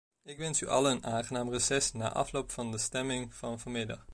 Ik wens u allen een aangenaam reces na afloop van de stemmingen van vanmiddag.